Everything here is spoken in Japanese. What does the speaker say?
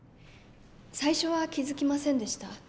最初は気付きませんでした。